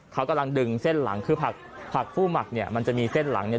เขากำลังดึงเส้นหลังคือผักผักผู้หมักเนี่ยมันจะมีเส้นหลังเนี่ย